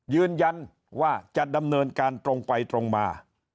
ยืนยันว่าจะดำเนินการตรงไปตรงมา